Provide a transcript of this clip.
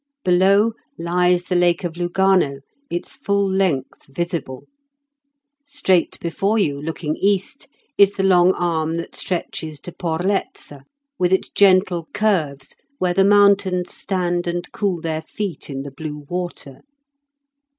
Below lies the lake of Lugano, its full length visible. Straight before you, looking east, is the long arm that stretches to Porlezza, with its gentle curves where the mountains stand and cool their feet in the blue water.